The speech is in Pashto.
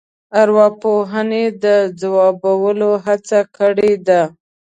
ارواپوهنې د ځوابولو هڅه کړې ده.